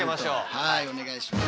はいお願いします。